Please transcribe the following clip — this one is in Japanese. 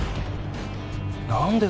何で？